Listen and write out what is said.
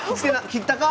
切ったか？